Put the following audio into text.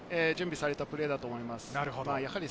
準備されたプレーだと思います。